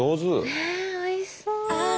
ねおいしそう。